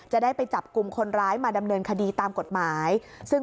จะได้ไปจับกลุ่มคนร้ายมาดำเนินคดีตามกฎหมายซึ่ง